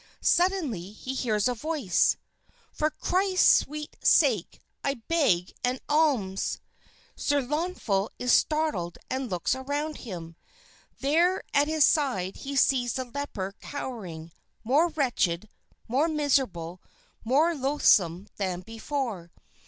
Suddenly he hears a voice. "For Christ's sweet sake I beg an alms." Sir Launfal is startled and looks around him. There at his side he sees the leper cowering, more wretched, more miserable, more loathsome than before.